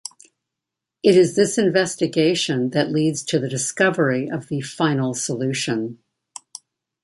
It is this investigation that leads to the discovery of the "final solution".